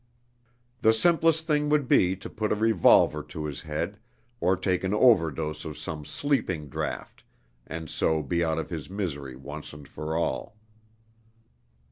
The simplest thing would be to put a revolver to his head, or take an overdose of some sleeping draft, and so to be out of his misery once and for all.